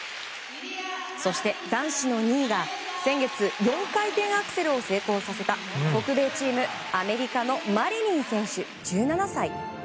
そして、男子の２位が先月、４回転アクセルを成功させた北米チーム、アメリカのマリニン選手、１７歳。